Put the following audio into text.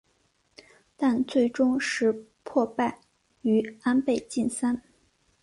但最终石破败于安倍晋三。